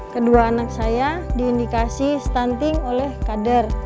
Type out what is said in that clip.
kedua anak saya diindikasi stunting oleh kader